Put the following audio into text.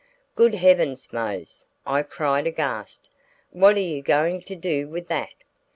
"Good heavens, Mose!" I cried, aghast. "What are you going to do with that?"